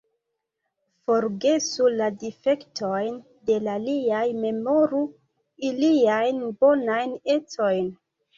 Forgesu la difektojn de l' aliaj, memoru iliajn bonajn ecojn.